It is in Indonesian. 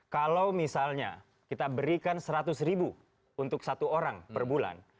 kalau misalnya kita berikan seratus ribu untuk satu orang per bulan